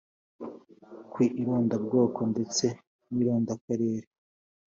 ku irondabwoko ndetse n irondakarere